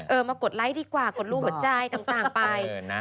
มากดไลค์ดีกว่ากดรูหัวใจต่างไป